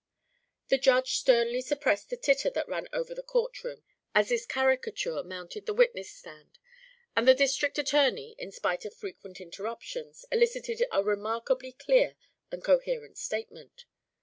The Judge sternly suppressed the titter that ran over the court room as this caricature mounted the witness stand, and the district attorney, in spite of frequent interruptions, elicited a remarkably clear and coherent statement.